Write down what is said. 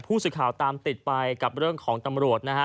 ผู้สื่อข่าวตามติดไปกับเรื่องของตำรวจนะฮะ